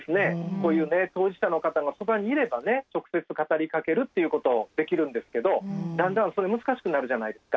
こういう当事者の方のそばにいればね直接語りかけるっていうことできるんですけどだんだんそれ難しくなるじゃないですか。